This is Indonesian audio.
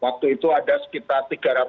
waktu itu ada sekitar